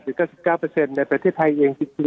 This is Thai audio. หรือเก้าสิบเก้าเปอร์เซ็นต์ในประเทศไทยเองจริง